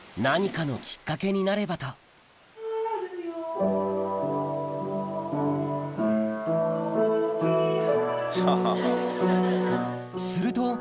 何かのきっかけになればと春よ